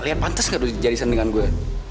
lihat pantas gak tuh jenis sen dengan gue